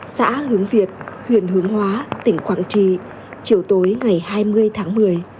xã hướng việt huyện hướng hóa tỉnh quảng trì chiều tối ngày hai mươi tháng một mươi